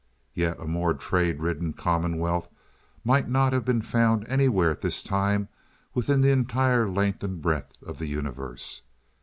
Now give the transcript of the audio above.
Yet a more trade ridden commonwealth might not have been found anywhere at this time within the entire length and breadth of the universe.